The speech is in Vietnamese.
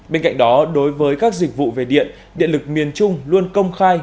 bên cạnh đó đối với các dịch vụ về điện điện lực miền trung luôn công khai